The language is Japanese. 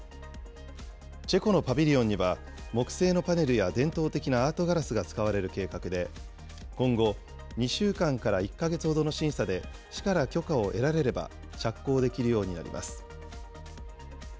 チェコのパビリオンには、木製のパネルや伝統的なアートガラスが使われる計画で、今後、２週間から１か月ほどの審査で市から許可を得られれば、着工できるようになります。